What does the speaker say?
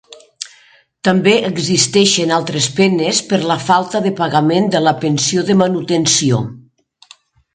També existeixen altres penes per la falta de pagament de la pensió de manutenció.